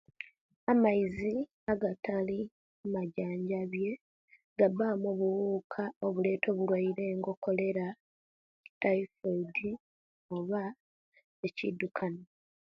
Amaizi agatali amaijanjabie gabamu obuwuka obuleta obulware okolera nitaifodi oba nokuidukana